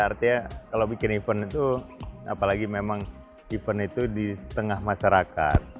artinya kalau bikin event itu apalagi memang event itu di tengah masyarakat